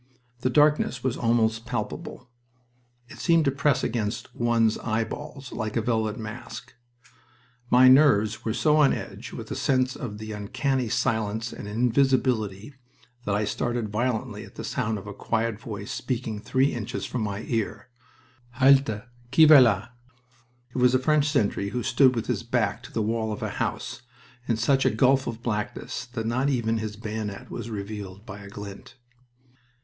The darkness was almost palpable. It seemed to press against one's eyeballs like a velvet mask. My nerves were so on edge with a sense of the uncanny silence and invisibility that I started violently at the sound of a quiet voice speaking three inches from my ear. "Halte! Qui va la?" It was a French sentry, who stood with his back to the wall of a house in such a gulf of blackness that not even his bayonet was revealed by a glint.